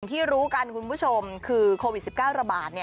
ที่รู้กันคุณผู้ชมคือโควิด๑๙ระบาด